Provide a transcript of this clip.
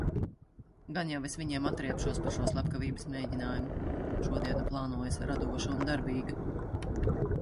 Gan jau es viņiem atriebšos par šo slepkavības mēģinājumu. Šodiena plānojas radoša un darbīga!